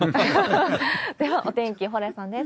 では、お天気、蓬莱さんです。